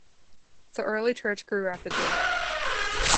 The early church grew rapidly.